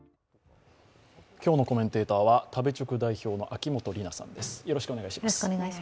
今日のコメンテーターは食べチョク代表の秋元里奈さんです。